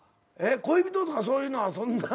恋人とかそういうのはそんな。